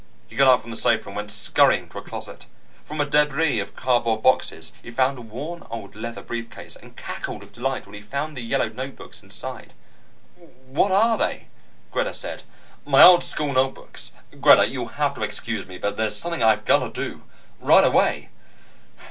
He got up from the sofa and went scurrying to a closet. From a debris of cardboard boxes, he found a worn old leather brief case, and cackled with delight when he found the yellowed notebooks inside. "What are they?" Greta said. "My old school notebooks. Greta, you'll have to excuse me. But there's something I've got to do, right away!"